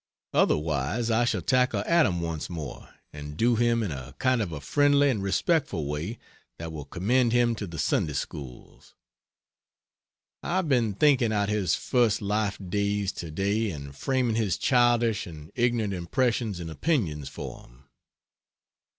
Otherwise I shall tackle Adam once more, and do him in a kind of a friendly and respectful way that will commend him to the Sunday schools. I've been thinking out his first life days to day and framing his childish and ignorant impressions and opinions for him.